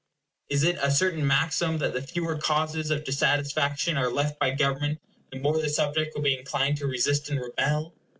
Is it a certain maxim that the fewer causes of dissatisfaction are left by government, the more the subject will be inclined to resist and rebel?